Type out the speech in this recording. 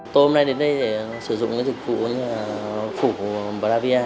tôi hôm nay đến đây để sử dụng dịch vụ phục bravia